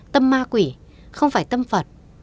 tâm ma quỷ không phải tâm phật